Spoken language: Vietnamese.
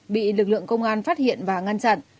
bị lực lượng công an phát hiện và ngăn chặn